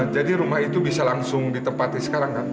jadi rumah itu bisa langsung ditempatkan sekarang kan